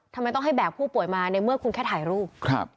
ทำไมต้องให้แบกผู้ป่วยมาในเมื่อคุณแค่ถ่ายรูปครับ